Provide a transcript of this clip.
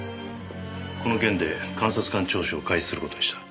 この件で監察官聴取を開始する事にした。